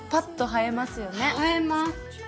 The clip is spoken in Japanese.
映えます。